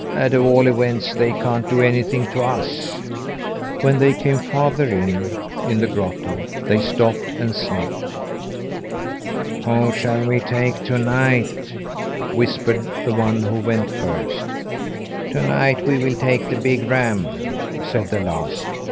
"At all events, they can't do anything to us." When they came farther in, in the grotto, they stopped and sniffed. "Who shall we take to night?" whispered the one who went first. "To night we will take the big ram," said the last.